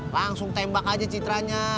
langsung tembak aja citranya